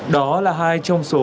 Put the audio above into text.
đó là hai trong số